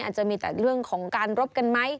อาจจะมีแต่เรื่องของการรบกันไหม